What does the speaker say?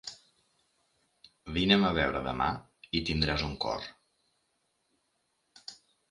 Vine'm a veure demà i tindràs un cor.